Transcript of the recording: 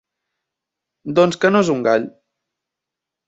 Doncs que no és un gall.